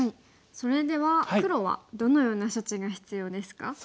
それでは黒はどのような処置が必要ですか？